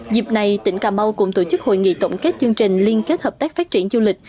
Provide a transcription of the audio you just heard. dịp này tỉnh cà mau cũng tổ chức hội nghị tổng kết chương trình liên kết hợp tác phát triển du lịch